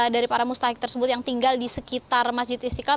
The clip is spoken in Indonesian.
dari para mustahik tersebut yang tinggal di sekitar masjid istiqlal